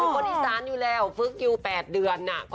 จากฝรั่ง